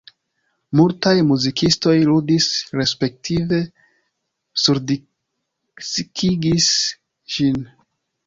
Multaj muzikistoj ludis respektive surdiskigis ĝin.